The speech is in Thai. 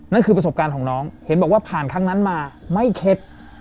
นั่นคือประสบการณ์ของน้องเห็นบอกว่าผ่านครั้งนั้นมาไม่เคล็ด